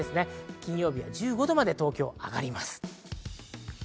金曜日は１５度まで東京は上がります。